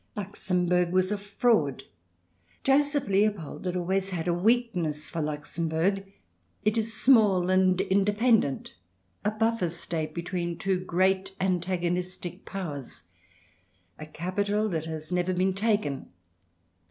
Luxembourg was a fraud. Joseph Leopold had always had a weakness for Luxembourg. It is small and independent ; a buffer State between two great antagonistic Powers ; a capital that has never been taken.